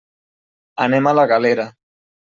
Anem a la Galera.